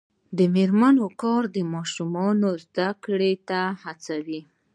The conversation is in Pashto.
د میرمنو کار د ماشومانو زدکړې ته هڅوي.